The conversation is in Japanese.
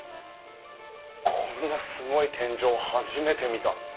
こんなすごい天井初めて見た！